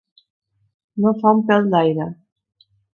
No fa un pèl d'aire.